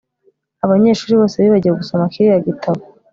Abanyeshuri bose bibagiwe gusoma kiriya gitabo